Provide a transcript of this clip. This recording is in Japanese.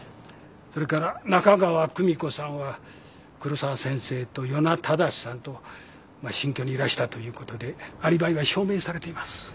それから中川久美子さんは黒沢先生と与那忠志さんと新居にいらしたということでアリバイが証明されています。